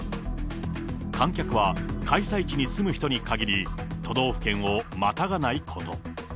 観客は開催地に住む人に限り、都道府県をまたがないこと。